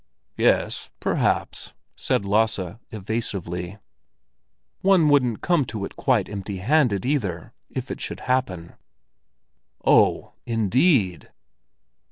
"Yes, perhaps," said Lasse evasively. "One wouldn't come to it quite empty handed, either—if it should happen." "Oh, indeed!"